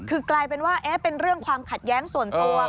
คือกลายเป็นว่าเป็นเรื่องความขัดแย้งส่วนตัว